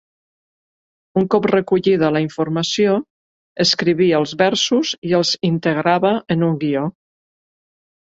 Un cop recollida la informació escrivia els versos i els integrava en un guió.